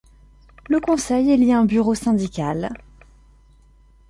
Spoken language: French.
Le conseil élit un bureau syndical.